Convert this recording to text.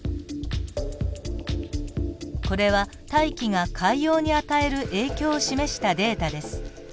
これは大気が海洋に与える影響を示したデータです。